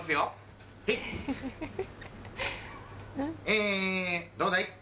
えどうだい？